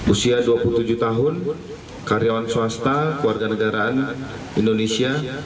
usia dua puluh tujuh tahun karyawan swasta keluarga negaraan indonesia